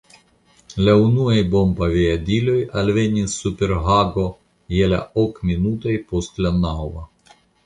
La unuaj bombaviadiloj alvenis super Hago je la ok minutoj post la naŭa.